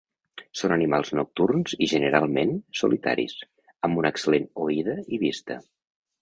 Són animals nocturns i, generalment, solitaris, amb una excel·lent oïda i vista.